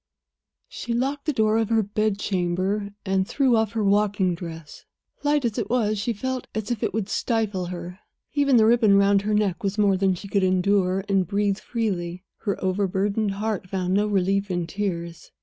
She locked the door of her bedchamber, and threw off her walking dress; light as it was, she felt as if it would stifle her. Even the ribbon round her neck was more than she could endure and breathe freely. Her overburdened heart found no relief in tears.